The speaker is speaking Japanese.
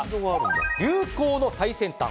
流行の最先端